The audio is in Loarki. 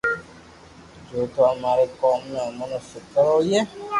جو تو اماري قوم نو امون فڪر ھوئي